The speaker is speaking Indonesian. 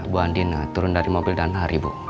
bu andina turun dari mobil dan hari bu